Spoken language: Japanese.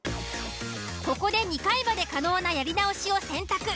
ここで２回まで可能なやり直しを選択。